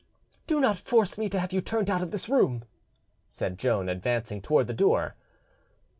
"Do not force me to have you turned out of this room," said Joan, advancing towards the door.